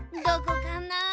どこかな？